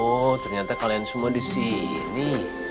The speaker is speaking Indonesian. oh ternyata kalian semua di sini